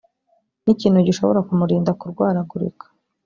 ni ikintu gishobora kumurinda kurwaragurika